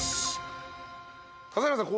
笠原さん